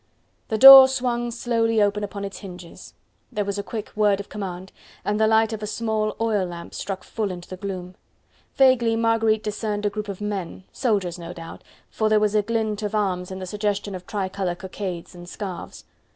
The door swung slowly open upon its hinges: there was a quick word of command, and the light of a small oil lamp struck full into the gloom. Vaguely Marguerite discerned a group of men, soldiers no doubt, for there was a glint of arms and the suggestion of tricolour cockades and scarves.